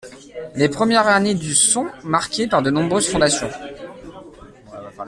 Les premières années du sont marquées par de nombreuses fondations.